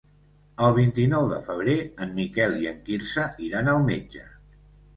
El vint-i-nou de febrer en Miquel i en Quirze iran al metge.